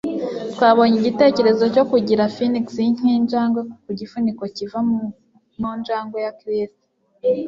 Twabonye igitekerezo cyo kugira sphinx nkinjangwe ku gifuniko kiva mu njangwe ya Chris.